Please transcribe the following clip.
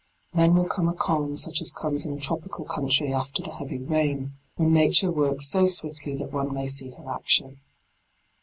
Then will come a calm such as comes in a tropical country after the heavy rain, when Nature works so swiftly that one may see her action.